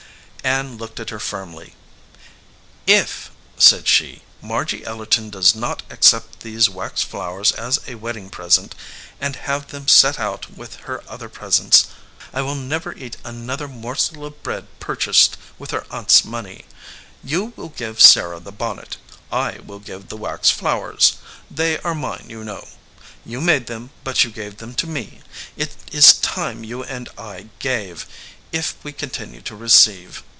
Ann looked at her firmly. "If," said she, "Margy Ellerton does not accept these wax flowers as a wedding present, and have them set out with her other presents, I will never eat another morsel of bread purchased with her aunt s money. You will give Sarah the bonnet; I will give the wax flowers. They are mine, you know. You made them, but you gave them to me. It is time you and I gave, if we continue to receive.